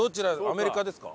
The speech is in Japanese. アメリカですか？